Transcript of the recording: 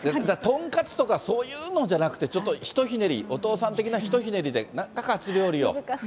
豚カツとかそういうのじゃなくて、ちょっと一ひねり、お父さん的なひとひねりで、なんらかカツ料理を。